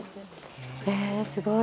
えすごい。